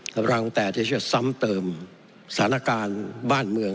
กำลังแต่จะเชื่อซ้ำเติมสถานการณ์บ้านเมือง